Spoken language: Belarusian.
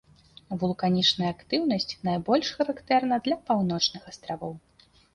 Вулканічная актыўнасць найбольш характэрна для паўночных астравоў.